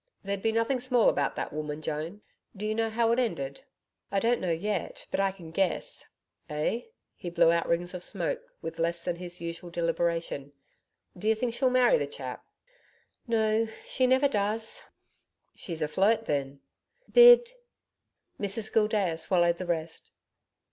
There'd be nothing small about that woman, Joan. Do you know how it ended?' 'I don't know yet. But I can guess.' 'Eh?' He blew out rings of smoke with less than his usual deliberation. 'D'ye think she'll marry the chap?' 'No she never does.' 'She's a flirt, then?' 'Bid ' Mrs Gildrea swallowed the rest.